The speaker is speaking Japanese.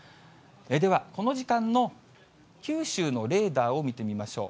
では、この時間の九州のレーダーを見てみましょう。